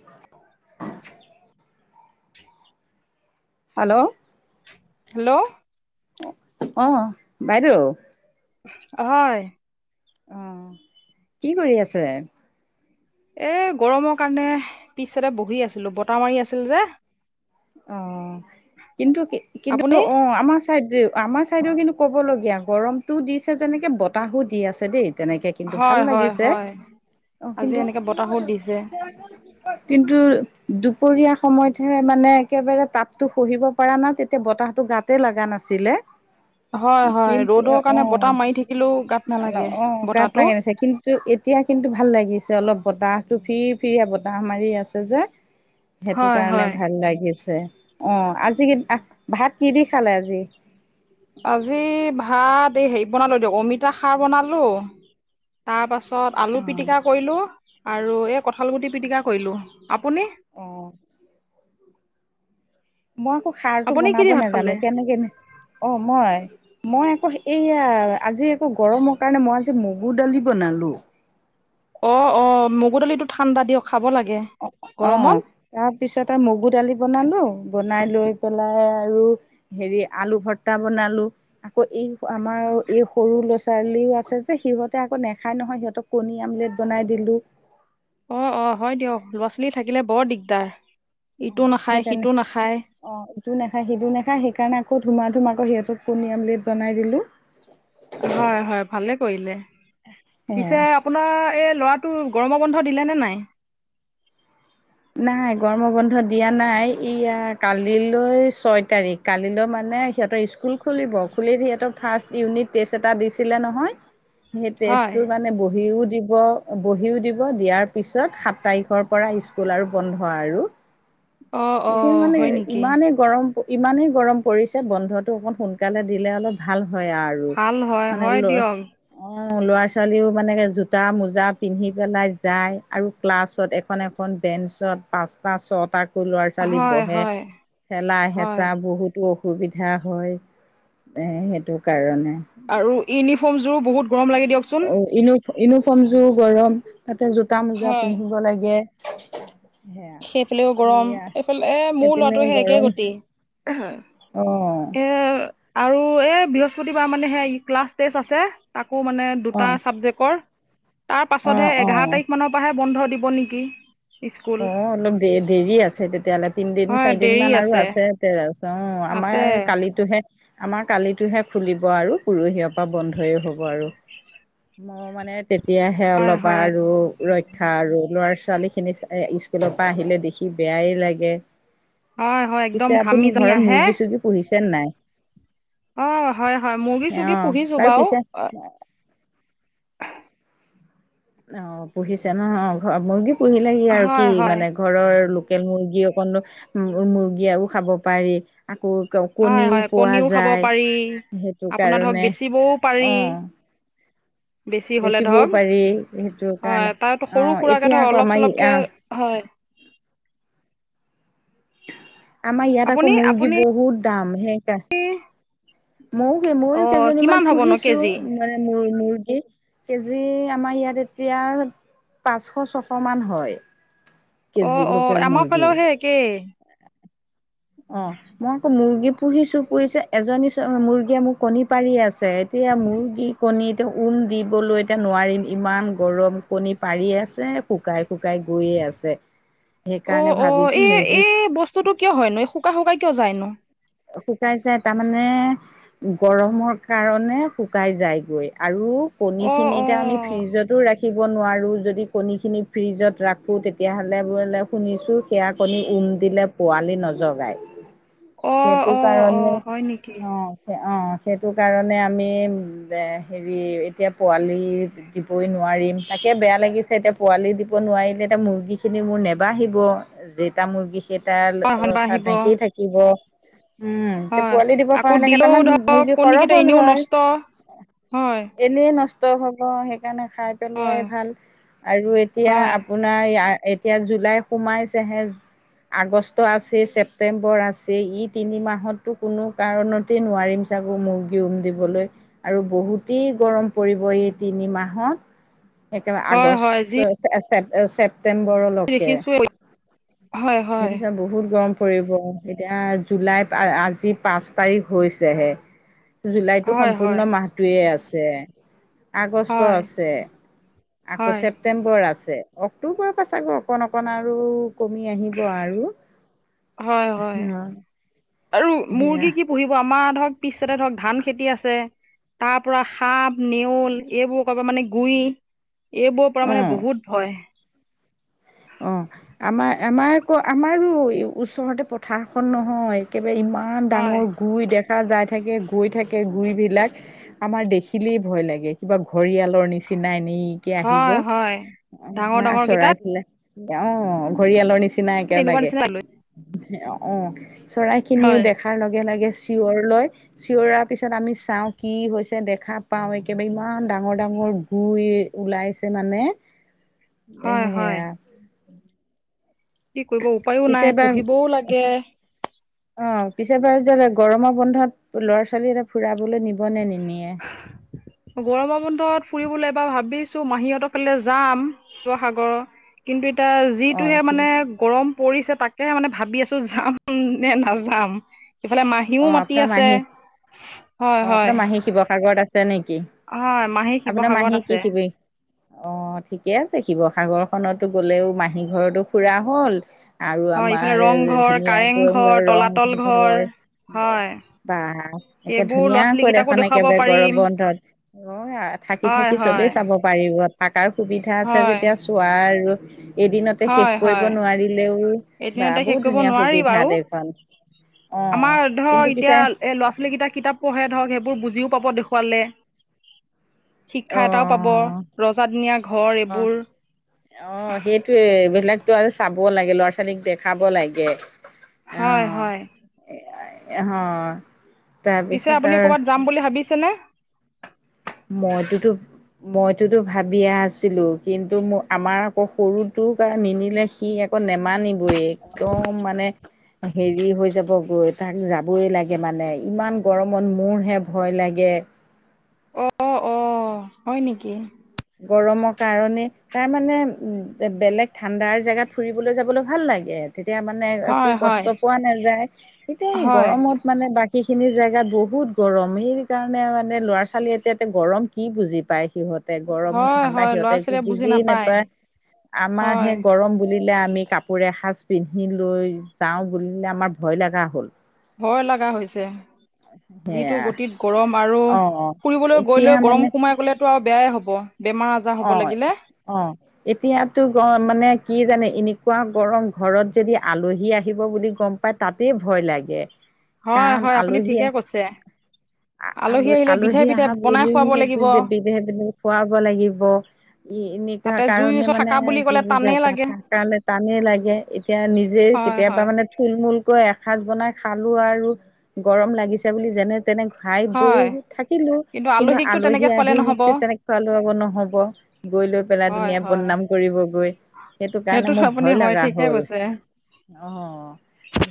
[inaudible] Hello hello অ বাইদেউ হয়। আহ কি কৰি আছে এ গৰমৰ কাৰণে পিছটা বহি আছিলো বতাহ মাৰি আছিল যে অ কিন্তু কি কিন্তু আপুনি অ আমাৰ চাইড আমাৰ চাইডও কিন্তু ক'বলগীয়া গৰমতটোও দিছে যেনেকে বতাহো দি আছে দেই তেনেকে কিন্তু ভাল হয় হয় লাগিছে হয় অ আজি কিন্তু এনেকে বতাহো দিছে কিন্তন্তু দুপৰীয়া সময়তহে মানে একেবাৰে তাপতো শহিব পৰা না তেতিয়া বতাহটো গাতে লগা নাছিলে হয় হয় কিন্তু ৰ'দৰ অ কাৰণে বতাহ মাৰি থাকিলেও গাত অ নালাগে অ গাত বতাহটো লাগি নছে কিন্তু এতিয়া কিন্তু ভাল লাগিছে অলপ বতাহতটো ফিৰি ফিৰিয়ে বতাহ মাৰি আছে যে সেইটো হয় কাৰণে হয় ভাল লাগিছে অ আজি কি ভাত কি দি খালে আজি আজি ভাত এই হেৰি বনালো দিয়ক অমিতা খাৰ বনালো তাৰ পাছত অ আলু পিটিকা কৰিলো আৰু এই কঠাল গুটি পিটিকা কৰিলো আপুনি অ মই আকৌ সাৰটো আপুনি কি বনাব দি ভাত নোজানো খালে কেনেকে অ মই মই আকৌ এইয়া আজি আকৌ গৰমৰ কাৰণে মই আজি মগুৰ দালি বনালো অ অ মগু দালিতটো ঠাণ্ডা দিয়ক খাব লাগে অ অ গৰমত তাৰপিছত আৰু মগু দালি বনালো বনাই লৈ পেলাই আৰু হেৰি আলু ভৰ্তা বনালো আকৌ এই আমাৰ আৰু এই সৰু ল'ৰা ছোৱালীও আছে যে সিহঁতে আকৌ নেখাই নহয় সিহঁতক কণী আমলেট বনাই দিলো অ অ হয় দিয়ক ল'ৰা ছোৱালী থাকিলে বৰ দিগদাৰ অ ইটো সেই নাখায় তেনে সিটো নাখায় অ ইটো নাখায় সিটো নেখায় সেইকাৰণে আকৌ ধুমা ধুমাক আকৌ সিহঁতক কণীৰ আমলেট বনাই দিলোঁ হয় হয় ভালে কৰিলে সেয়া পিছে আপোনাৰ এই ল'ৰাটো গৰম বন্ধ দিলে নে নাই নাই গৰম বন্ধ দিয়া নাই ইয়া কালিলৈ ছয় তাৰিখ কালিলৈ মানে মানে সিহঁতৰ স্কুল খুলিব খুল সিহঁতক ফাৰ্ষ্ট ইউনিট টেষ্ট এটা দিছিলে নহয় সেই তেজ হয় তৰ মানে বহিও দিব দ বহিও দিব দিয়াৰ পিছত সাত তাৰিখৰ পৰা স্কুল আৰু বন্ধ আৰু অ অ এই কিন মানে হয় নেকি ইমানেই গৰম ইমানেই গৰম পৰিছে বন্ধটো অকণ সোনকালে দিলে অলপ ভাল হয় আৰু ভাল হয় মানে হয় লঅ দিয়ক অ ল'ৰা ছোৱালীও মানে জোতা মোজা পিন্ধি পেলাই যাই আৰু ক্লাছত এখন এ এখন বেঞ্চত পাঁচটা ছটা ল'ৰা-ছোৱালী হয় বহে, হয় ঠেলা হয় হেঁচা বহুতো সুবিধা হয়, এ সেইটো কাৰণে আৰু ইউনিফৰ্মযোৰো বহুত গৰম লাগে দিয়ক চ অ, ইউ-ইউনিফৰ্মযোৰো গৰম, তাতে জোতা-মোজা হয় পিন্ধিব লাগে। [inaudible] সেইফালেও গৰম, এয়া এইফালে, এ মোৰ সেইপিনে ল'ৰাটো সেই একে গৰম গতি। অ এ, আৰু কো এ বৃহস্পতিবাৰ মানে সেই ক্লাছ টষ্ট আছে, তাকো মানে অ দুটা চাবজেক্টৰ! তাৰ অ', পাছতহে এঘাৰ অ', তাৰিখমানৰ পৰাহে বন্ধ দিব নেকি, স্কুল। অ', অলপ দেৰ-দেৰি আছে তেতিয়া হ'লে, তিনদিন, হয় চাৰিদিন দেৰি মান আৰু আছে [unintelligible] অ, আছে আমাৰ কালিতোহে। আমাৰ কালিতোহে খুলিব আৰু প'ৰহিয় পৰা বন্ধই হ'ব আৰু। মো মানে তেতিয়াহে হয় অলপ হয় আৰু ৰক্ষা আৰু ল'ৰা-ছোৱালীখিনি এ স্কুলৰ পৰা আহিলে দেখি বেয়াই লাগে! হয় হয় একদম পিছে ঘামি আপুনি জামি ঘৰত আহে মূৰ্গী- চূৰ্গী পুহিছে নে নাই? অঁ হয় হয় মুৰ্গী অ, চুৰ্গী পুহিছোঁ বাৰু পিছে অ, পুহিছে নহ, ঘ, মুৰ্গী পুহিলে আৰু কি হয় হয় মানে ঘৰৰ লোক লোকেল মুৰ্গী অকনো, উম, মুৰ্গী আৰু খাব পাৰি। আকৌ হয় ক-কণীও হয় পোৱা কণীও খাব যায়। পাৰি সেইটো আপোনাৰ ধৰক কাৰণে, বেচিবও পাৰি অ'। [inaudible] বেছি হ'লে বেচিবও ধৰক পাৰি সেইটো হয় কাৰণে। তাৰতো সৰু আহ, সুৰাকৈ এতিয়া ধৰক আকৌ অলপ আমাৰ, চলপকৈ ইয়া হয়। [inaudible] আমাৰ ইয়াত আকৌ আপুনি মুৰ্গী আপুনি বহুত দাম, সেইকাৰ মও, ময়ো অঁ কেইজনীমান কিমান হ'বনো পুহিঁছো কেজি মানে মূৰ, মূৰ কেজি আমাৰ ইয়াত এতিয়া পাঁচশ, ছশ মান হয় অঁ কেজি, অঁ লোকেল আমাৰ ফালেও মূৰ্গীৰ। সেই একেই অ', মই আকৌ মূৰ্গী পুহিঁছো, পুহিঁছো, এজনী চো, মূৰ্গীয়ে মোৰ কণী পাৰিয়েই আছে, এতি এতিয়া মূৰ্গী কণী এতিয়া উম দিবলৈ এতিয়া নোৱাৰিম, ইমান গৰম! কণী পাৰিয়ে আছে। যে শুকাই, শুকাই গৈয়ে আছে। অ, সেইকাৰণে অ, ভাবিছো এই, মুৰ্গী এই বস্তুতটো কিয় হয়নো? এই শুকাই, শুকাই কিয় যায়নো? শুকাই যায় তাৰমানে গৰমৰ কাৰণে শুকাই যায়গৈ। আৰু অ কণীখিনি অ এতিয়া আমি ফ্ৰিজতো ৰাখ ৰাখিব নোৱাৰোঁ। যদি কণীখিনি ফ্ৰিজত ৰাখোঁ, তেতিয়াহ'লে বোলে শুনিছোঁ সেয়া কণী উম দিলে পোৱালি নজগায়। অ সেইটো অ অ কাৰণে, হয় নেকি? অ', সেয়া। অ', সেইটো কাৰণে আমি বে, হেৰি, এতিয়া পোৱালি দিবই নোৱাৰি দিম, তাকে বেয়া লাগিছে এতিয়া পোৱালি দিব নোৱাৰিলে, এতিয়া মূৰ্গীখিনি মোৰ নেবাঢ়িব। যেইটা মূৰ্গী কেইটা, ল, হয় শনিবাৰ উঠা আহিব টেংকি থাকিব। উম, এতিয়া হয় পোৱালি দিব পৰা আকৌ হ'লে দিলেও কেইটামান ধৰক মূৰ্গী সৰহ কণীকেইটা হ'ল এনেও হয়। নষ্ট হয় এনেই নচ ষ্ট হ'ব, সেইকাৰণে খাই পেলোৱাই হয় ভাল। আৰু এতিয়া হয় আপোনাৰ ইয়াৰ এতিয়া জুলাই সোমাইছেহে, আগষ্ট আছেই, ছেপ্টেম্বৰ আছেই, ই তিনি মাহততো কোনো কাৰণতেই নোৱাৰিম চাগৈ মূৰ্গী উম দিবলৈ, আৰু বহুতেই গৰম পৰিব এই তিনিমাহত, একেবাৰে হয় আগষ্ট, হয় যি চে-চেপ-চেপ প্তেম্বৰলকে। দেখিছো হয় ইয়াৰ হয় পিছত বহুত গৰম কৰিব এতিয়া জুলাই আ-আজি পাঁচ তাৰিখ হৈছেহে। হয় জুলাইটো হয় সম্পূৰ্ণ মাহটোৱেই আছে। আগষ্ট হয় আছে, আকৌ হয় ছেপ্টেম্বৰ আছে। অক্টোবৰৰ পৰা চাগৈ অকণ, অকণ আৰু কমি আহিব আৰু হয় হয় অ আৰু মুৰ্গী কি পুহিব আমাৰ ধৰক পিছতে ধৰক ধান খেতি আছে তাৰ পৰা সাপ নেওল এইবোৰ কব মানে গুই এইবোৰৰ পৰা অ মানে বহুত ভয় অ', আমাৰ আমাৰ আকৌ আমাৰো ওচৰতে পথাৰখন নহয়। ইমান হয় ডাঙৰ গুই দেখ যাই থাকে গৈ থাকে গুই বিলাক আমাৰ দেখিলেই ভয় লাগে কিবা ঘৰিয়াল তৰ নিচিনা এনেইকে আহিব হয় হয় ডাঙৰ ডাঙৰ কেইটা চৰাই ফেলাই অ ঘৰিয়ালৰ নিচিনা নিচিনা এক তেনেকুৱা লাগে নিচিনা লৈ অ চৰাই খিনিও হয় দেখাৰ লগে লগে চিঞৰ লয় চিঞৰাৰ পিছত আমি চাওঁ কি হৈছে দেখা পাও একেবাৰে ই ইমান ডাঙৰ ডাঙৰ গুই ওলাইছে মানে এ হয় হয় সেয়া কি কৰিব উপায়ো পিছে নাই এবাৰ পুহিবও লাগে অ পিছে [unintelligible] যে গৰমৰ বন্ধত ল'ৰা ছোৱালী এটা ফুৰা গৰম বন্ধত ফুৰিবলৈ ভাবিছো মাহীহঁতৰ ফালে যাম শিৱসাগৰৰ কিন্তু এ অ যিটোহে মানে গৰম পৰিছে তাক তাকে মানে ভাবি আছো যাম নে নাযাম ইফালে অ মাহীও মাতি আপোনাৰ আছে মাহী অ হয়। হয় আপোনাৰ মাহী শিৱসাগৰত আছে নেকি হয় মাহী আপোনাৰ শিৱসাগৰত মাহী কি আছে শিবি অ', ঠিকে আছে শিৱসাগৰ খনতো গ'লেও মাহী ঘৰতো ফুৰা হল আৰু হয় ইফালে আমাৰ ৰংঘৰ ধুনীয়াকৈ ধ কাৰেংঘৰ তলাতল ঘৰ ৰংঘৰ হয় বা একে সেইবোৰ ল'ৰা ধুনীয়াকৈ ছোৱালীকেইটাকো দেখোন দেখুৱাব একেবাৰে গৌৰৱ পাৰিম বন্ধত‌ অ থাকি হয় থাকি চবেই হয় চাব পাৰিব থকাৰ সুবিধা আছে হয় যেতিয়া চোৱাৰ আৰু এদিনতে শেষ হয় কৰিব হয় নোৱাৰিলেও বা এদিনতে শেষ বহুত কৰিব ধুনীয়া নোৱাৰি সুবিধা বাৰু দেখোন অ। আমাৰ ধৰক কিন্তু এতিয়া পিছে ল'ৰা ছোৱালীকেইটা কিতাপ পঢ়ে ধৰক সেইবোৰ বুজিও পাব দেখুৱালে। অ শিক্ষা এটাও পাব ৰজাদিনীয়া ঘৰ অ এইবোৰ। অ সেইটোৱে এইবিলাকতো আৰু চাব লাগে ল'ৰা ছোৱালীক দেখাব লাগে। হয় হয়। অ পিছে তাৰপিছত আপুনি ক'ৰবাত যাম আৰু বুলি ভাবিছেনে মইতোতো মইতোতো ভাবিয়া আছিলো কিন্তু ম আমাৰ আকৌ সৰুটো নিনিলে সি আকৌ নেমানিবই একদম মানে হেৰি হৈ যাব গৈ তাক যাবই লাগে মানে ইমান গৰমত বন্ধহে ভয় লাগে। এ অ অ হয় নেকি? গৰমৰ কাৰণে তাৰ মানে উ বেলেগ ঠাণ্ডাৰ জেগাত ফুৰিবলৈ যাবলৈ ভাল লাগে আৰু। তেতিয়া মানে একো হয় হয় কষ্ট পোৱা নাযায় এতিয়া এই হয় গৰমত মানে বাকী খিনি জেগাত বহুত গৰম সেইকাৰণে মানে ল'ৰা ছোৱালী এটা এতে গৰম কি বুজি পায় সিহঁত গৰম হয় ঠাণ্ডা হয় ল'ৰা সিহতে একো ছোৱালীয়ে বুজি নাপায় আমাৰ হয় সেই গৰম বুলি বিলে আমি কাপোৰে এসজ পিন্ধি লৈ যাওঁ বুলিলে আমাৰ ভয় লগা হ'ল। ভয় লগা হৈছে। যিটো সেয়া গতিত গৰম আৰু অ ফুৰিবলৈ এতিয়া গৈলেৈ মানে গৰম সোমাই গলেতো আৰু বেয়াই হ'ব। বেমাৰ আজাৰ হ'ব অ লাগিলে অ এতিয়াতো গ মানে কি জানে এনেকুৱা গৰম ঘৰত যদি আলহী আহিব বুলি গম পাই তাতেই ভয় লাগে। হয় কাৰণ হয় আপুনি আলহী ঠিকে কৈছে। আল আলহী আহিলে বিধে আলহী বিধে আহা বনাই বুলি খুৱাব লাগিব [unintelligible] খুৱাব লাগিব। ই এনেুৱা তাতে জুইৰ কাৰণে ওচৰত মানে থাকা বুলি যু ক'লে টানেই লাগে থাৰ কাৰণে টানেই লাগে এতিয়া নিজে হয় কেতিয়াবা হয় মানে থুল মুলকৈ এসাঁজ বনাই খালো আৰু গৰম লাগিছে বুলি যেনে তেনে খাই বৈ হয় থাকিলো, কিন্তু আলহীকতো আলহী তেনেকে খোৱালে আহি নহ'ব স তেনেক খলাব নহ'ব গৈ লৈ পেলাই হয় ধুনীয়া হয় বদনাম কৰিব গৈ। সেইটো কাৰণে মোৰ আপুনি ভয় হয় লগা ঠিকে হ'ল, কৈছে অহ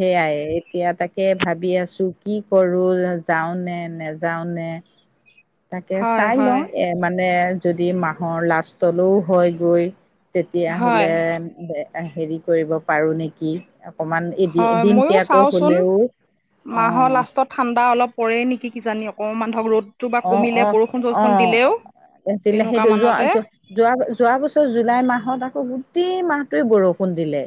সেয়াই। এতিয়া তাকে ভাবি আছো কি কৰো যাও নে নেযাও নে তাকে হয় চাই হয় লওঁ এ মানে যদি মাহৰ লাষ্টলৈও হয় গৈ তেতিয়া হয় হ'লে হেৰি কৰিব পাৰো নেকি? অকমান এদিন হয়। ময়ো দিনতীয়াকৈ চাওচোন হলেও অ মাহৰ লাষ্টত ঠাণ্ডা অলপ পৰে নেকি কিজানি অকমান মানুহক ৰ'দটো বা অ অ কমিলে অ বৰষুণ-চৰষুণ দিলেও। তেনেকুৱা সেইটো মানতে যোৱা-যোৱা-যোৱা বছৰ জুলাই মাহত আকৌ গোটেই মাহ ত বৰষুণ দিলে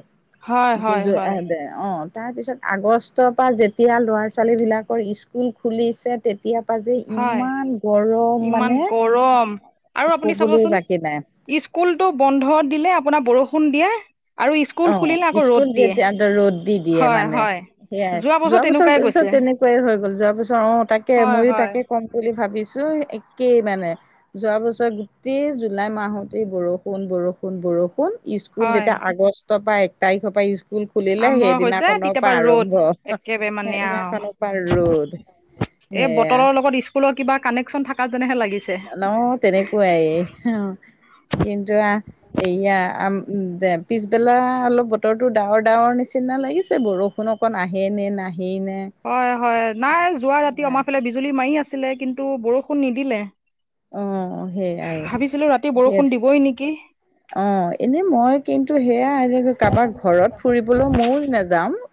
হয় হয় [unintelligible] হয় অ। তাৰ পিছত আগষ্টৰ পৰা যেতিয়া ল'ৰা ছোৱালী বিলাকৰ স্কুল খুলিছে তেতিয়াৰ পা যে হয় ইমান গৰম ইমান মানে গৰম আৰু আপুনি কবলৈ চাবচোন বাকী নাই স্কুলতটো বন্ধ দিলে আপোনাৰ বৰষুণ দিয়ে, আৰু অ স্কুল খুলিলে আকৌ স্কুল ৰ'দ দিয়ে যেতিয়া এটা ৰ'দ দি দিয়ে হয় মানে হয়। সেয়াই যোৱা বছৰ পিছত তেনেকুৱাই হৈ গ'ল যোৱা বছৰ অ তাকে ময়ো তাকে হয় ক'ম। বুলি ভাবিছো। একেই মানে, যোৱা বছৰ গোটেই জুলাই মাহতেই বৰষুণ-বৰষুণ-বৰষুণ স্কুল যেতিয়া আগষ্টৰ পৰা এক তাৰিখৰ পৰা ইছ স্কুল খুলিলে আৰম্ভ হৈছে সেইদিনাখনৰ তেতিয়াবা পৰা ৰ'দ আৰম্ভ একেবাৰে মানে আৰু সেইদিনাখনৰ পৰা ৰ'দ। এই সেয়া বতৰৰ লগত স্কুলৰ কিবা কানেকশন থাকা ন তেনেকুৱাই অ কিন্তু এয়াম উ পিছবেলা অলপ বতৰটো ডাৱৰ ডাৱৰ নিচিনা লাগিছে, বৰষুণ অকণ আহে নে নাহে হয় হয় নাই যোৱা ৰাতি সেয়াই। আমাৰ ফালে বিজুলী মাৰি আছিলে কিন্তু বৰষুণ নিদিলে। অ সেয়াই ভাবিছিলোঁ ৰাতি বৰষুণ দিবই নেকি অ এনেই মই কিন্তু সেয়া এনে কাৰোবাক ঘৰত ফুৰিবলৈ ময় নাযাম।